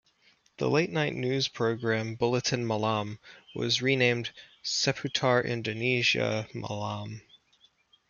The late night news program, Buletin Malam was renamed Seputar Indonesia Malam.